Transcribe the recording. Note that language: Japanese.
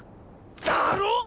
だろ！